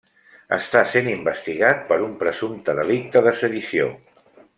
Està sent investigat per un presumpte delicte de sedició.